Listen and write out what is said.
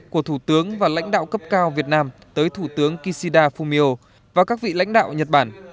của thủ tướng và lãnh đạo cấp cao việt nam tới thủ tướng kishida fumio và các vị lãnh đạo nhật bản